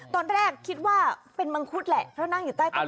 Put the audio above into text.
ตอนแรกคิดว่าเป็นมังคุดแหละเพราะนั่งอยู่ใต้ต้น